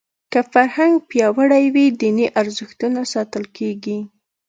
که فرهنګ پیاوړی وي دیني ارزښتونه ساتل کېږي.